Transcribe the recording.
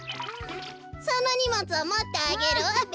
そのにもつをもってあげるわべ。